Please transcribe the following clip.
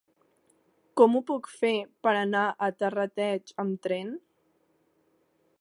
Com ho puc fer per anar a Terrateig amb tren?